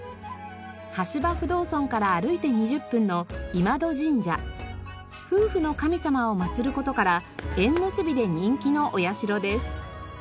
橋場不動尊から歩いて２０分の夫婦の神様を祭る事から縁結びで人気のお社です。